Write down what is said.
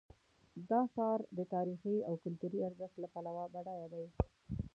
دا ښار د تاریخي او کلتوري ارزښت له پلوه بډایه دی.